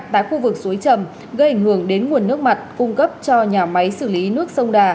tại khu vực suối trầm gây ảnh hưởng đến nguồn nước mặt cung cấp cho nhà máy xử lý nước sông đà